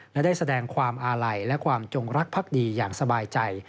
และได้แสดงความอาลัยและความจงรักภักดีอย่างสบายใจ